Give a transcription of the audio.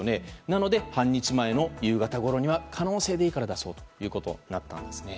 なので、半日前の夕方ごろには可能性でいいから出そうということになったんだそうですね。